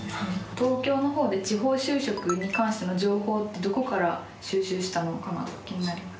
東京の方で地方就職に関しての情報ってどこから収集したのかが気になります。